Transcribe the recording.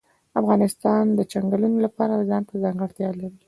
افغانستان د چنګلونه د پلوه ځانته ځانګړتیا لري.